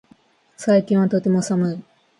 最近はとても寒い